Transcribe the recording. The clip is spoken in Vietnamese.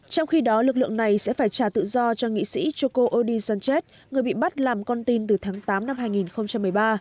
trong khi đó lực lượng này sẽ phải trả tự do cho nghị sĩ choko odi sánchez người bị bắt làm con tin từ tháng tám năm hai nghìn một mươi ba